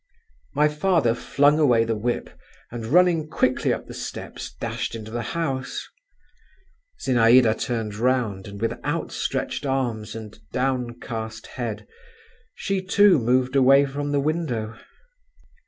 My father flung away the whip, and running quickly up the steps, dashed into the house…. Zinaïda turned round, and with outstretched arms and downcast head, she too moved away from the window.